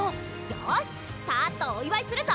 よしパッとお祝いするぞ！